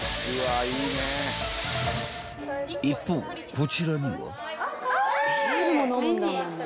［一方こちらには］